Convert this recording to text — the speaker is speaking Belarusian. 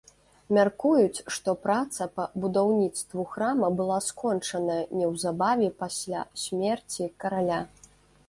Мяркуюць, што праца па будаўніцтву храма была скончаная неўзабаве пасля смерці караля.